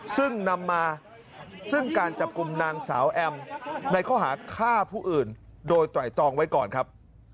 ซึ่งนำมาซึ่งการจับกลุ่มนางสาวแอมในข้อหาฆ่าผู้อื่นโดยไตรตองไว้ก่อนครับ